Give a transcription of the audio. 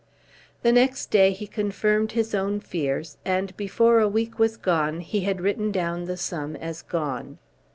The next day he confirmed his own fears, and before a week was gone he had written down the sum as gone.